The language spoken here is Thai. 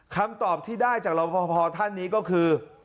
คำตอบที่ได้จากเราพอท่านนี้ก็คือ